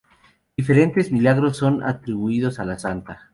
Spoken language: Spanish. Diferentes milagros son atribuidos a la santa.